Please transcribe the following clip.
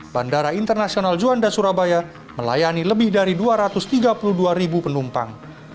bandara internasional juanda surabaya melayani lebih dari dua ratus tiga puluh dua ribu penumpang